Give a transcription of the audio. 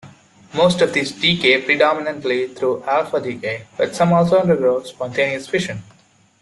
Most of these decay predominantly through alpha decay, but some also undergo spontaneous fission.